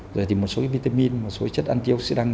rồi thì một số vitamin một số chất antioxidant